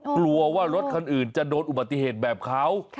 กลัวว่ารถคันอื่นจะโดนอุบัติเหตุแบบเขา